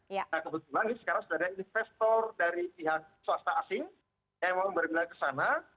nah kebetulan ini sekarang sudah ada investor dari pihak swasta asing yang mau bergerak ke sana